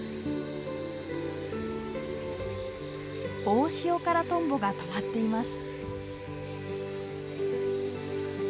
オオシオカラトンボが止まっています。